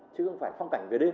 chứ không phải phong cảnh về đêm